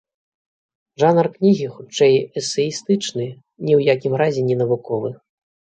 Жанр кнігі хутчэй эсэістычны, ні ў якім разе не навуковы.